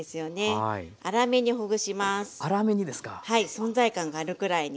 存在感があるくらいに。